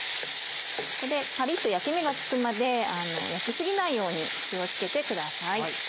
パリっと焼き目がつくまで焼き過ぎないように気を付けてください。